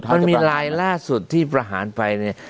มันมีลายล่าสุดที่ประหารไปเนี่ย